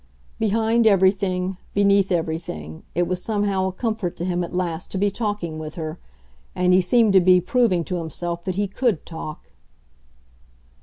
Behind everything, beneath everything, it was somehow a comfort to him at last to be talking with her and he seemed to be proving to himself that he COULD talk.